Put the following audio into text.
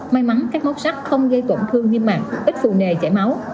may mắn các mốt sắp không gây tổn thương nghiêm mạng ít phù nề chảy máu